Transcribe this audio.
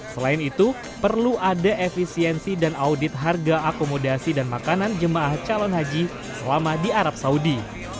selain itu perlu ada efisiensi dan audit harga akomodasi dan makanan jemaah calon haji selama di arab saudi